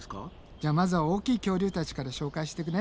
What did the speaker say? じゃあまずは大きい恐竜たちから紹介してくね。